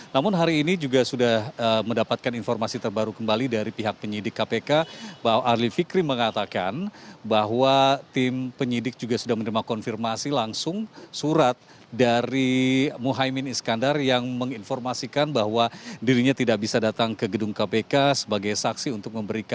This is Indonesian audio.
namun hari ini juga sudah mendapatkan informasi terbaru kembali dari pihak penyidik kpk bahwa arli fikri mengatakan bahwa tim penyidik juga sudah menerima konfirmasi langsung surat dari muhaymin iskandar yang menginformasikan bahwa dirinya tidak bisa datang ke gedung kpk sebagai saksi untuk memberikan